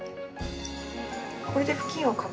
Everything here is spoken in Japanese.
これで布巾をかぶせて。